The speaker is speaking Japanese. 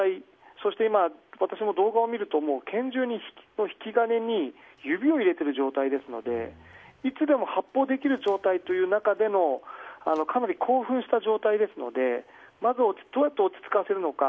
そして今、私も動画を見ると拳銃の引き金に指を入れている状態ですのでいつでも発砲できる状態でのかなり興奮した状態ですのでまずどうやって落ち着かせるのか。